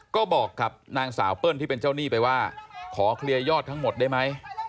ก็บอกกับนางสาวเปิ้ลที่เป็นเจ้าหนี้ไปว่าขอเคลียร์ยอดทั้งหมดได้ไหม